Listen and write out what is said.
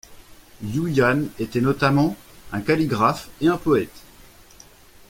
Yuyan était notamment un calligraphe et un poète.